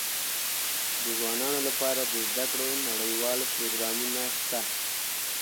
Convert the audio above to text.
د ځوانانو لپاره د زده کړو نړيوال پروګرامونه سته.